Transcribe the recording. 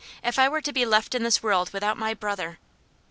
if I were to be left in this world without my brother!